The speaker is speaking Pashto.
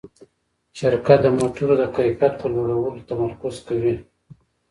شرکت د موټرو د کیفیت په لوړولو تمرکز کوي.